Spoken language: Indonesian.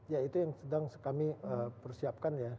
ya itu yang sedang kami persiapkan ya